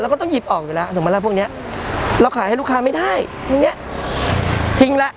ก็ต้องหยิบออกอยู่แล้วถูกไหมล่ะพวกเนี้ยเราขายให้ลูกค้าไม่ได้ตรงเนี้ยทิ้งแล้ว